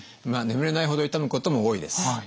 眠れないほど痛むことも多いです。